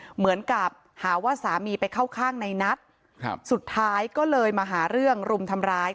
เหมือนกับหาว่าสามีไปเข้าข้างในนัทสุดท้ายก็เลยมาหาเรื่องรุมทำร้าย